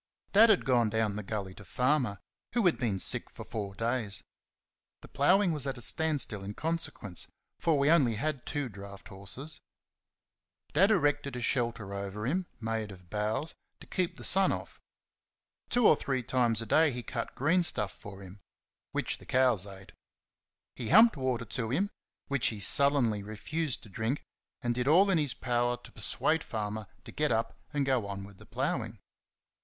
Dad had gone down the gully to Farmer, who had been sick for four days. The ploughing was at a standstill in consequence, for we had only two draught horses. Dad erected a shelter over him, made of boughs, to keep the sun off. Two or three times a day he cut greenstuff for him which the cows ate. He humped water to him which he sullenly refused to drink; and did all in his power to persuade Farmer to get up and go on with the ploughing.